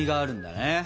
ね